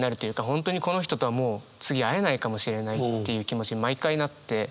本当にこの人とはもう次会えないかもしれないっていう気持ちに毎回なって。